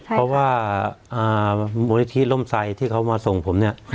เพราะว่ามูลนิธิร่มไซดที่เขามาส่งผมเนี่ย